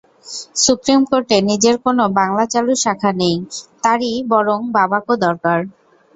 Supreme কোর্টের নিজের কোনো বাংলা চালুর শাখা নেই, তারই বরং বাবাকো দরকার।